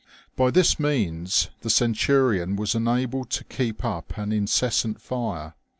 By this means the Centurion was enabled to keep up an incessant fire.